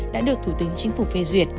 đã được thủ tướng chính phủ phê duyệt